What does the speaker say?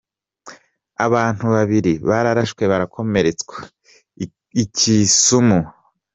Abantu babiri barashwe barakomeretswa i Kisumu.